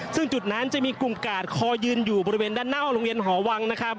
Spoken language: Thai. ซึ่งจุดนั้นจะมีกลุ่มกาดคอยืนอยู่บริเวณด้านหน้าโรงเรียนหอวังนะครับ